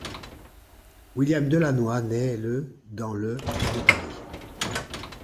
William Delannoy naît le dans le de Paris.